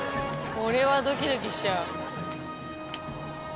これはドキドキしちゃう。